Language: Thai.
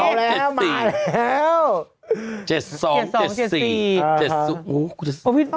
เอาแล้วมาแล้ว